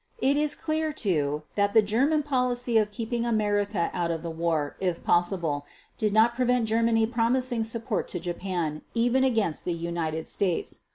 It is clear, too, that the German policy of keeping America out of the war, if possible, did not prevent Germany promising support to Japan even against the United States.